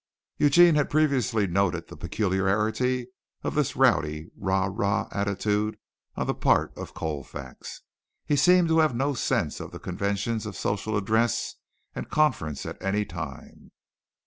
Eugene had previously noted the peculiarity of this rowdy, rah! rah! attitude on the part of Colfax. He seemed to have no sense of the conventions of social address and conference at any time.